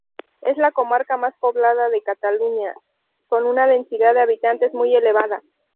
Es la comarca más poblada de Cataluña, con una densidad de habitantes muy elevada.